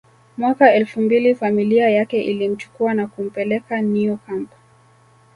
Mwaka elfu mbili familia yake ilimchukua na kumpeleka Neo camp